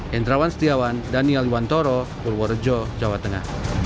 hendrawan setiawan daniel iwan toro purworejo jawa tengah